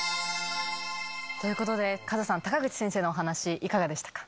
ということでカズさん高口先生のお話いかがでしたか？